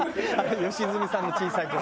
良純さんの小さい頃。